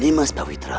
nimas pak witra